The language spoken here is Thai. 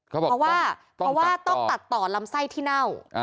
เพราะว่าต้องตัดต่อลำไส้ที่เน่า